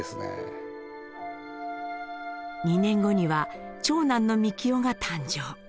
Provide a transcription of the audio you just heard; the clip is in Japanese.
２年後には長男の幹生が誕生。